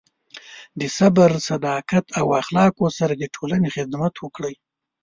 د صبر، صداقت، او اخلاقو سره د ټولنې خدمت وکړئ.